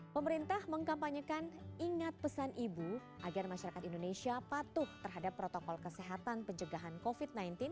pemerintah mengkampanyekan ingat pesan ibu agar masyarakat indonesia patuh terhadap protokol kesehatan pencegahan covid sembilan belas